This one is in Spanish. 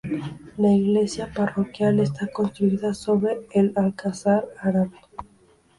La iglesia parroquial está construida sobre el alcázar árabe.